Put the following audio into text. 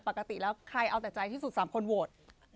ปกติแล้วใครเอาแต่ใจที่สุด๓คนโหวต